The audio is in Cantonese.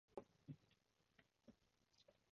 行將就木